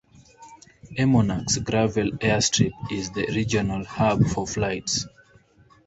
Emmonak's gravel airstrip is the regional hub for flights.